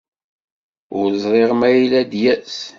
Ur ẓriɣ ma yella ad d-yas.